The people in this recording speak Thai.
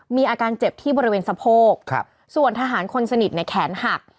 มีอาการเจ็บที่บริเวณสะโพกส่วนทหารคนสนิทในแขนหัก